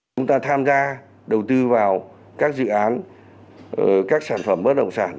chúng ta tham gia đầu tư vào các dự án các sản phẩm bất động sản